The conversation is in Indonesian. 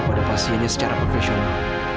pada pasiennya secara profesional